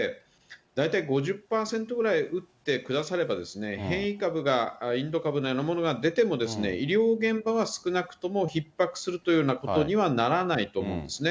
大体５０％ぐらい打ってくだされば、変異株が、インド株のようなものが出てもですね、医療現場は少なくともひっ迫するというようなことにはならないと思うんですね。